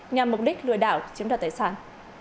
nhằm mục đích lừa đảo chiếm đoạt tài sản